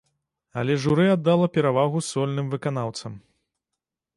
Але журы аддала перавагу сольным выканаўцам.